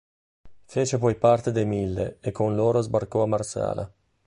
Fece poi parte dei Mille e con loro sbarcò a Marsala.